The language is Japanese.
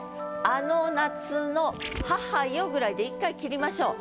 「あの夏の母よ」ぐらいで一回切りましょう。